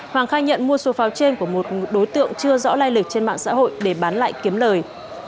hoàng khai nhận mua số pháo trên của một đối tượng chưa rõ lai lịch trên mạng xã hội để bán lại kiếm lời